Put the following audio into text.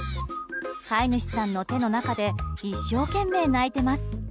飼い主さんの手の中で一生懸命、鳴いています。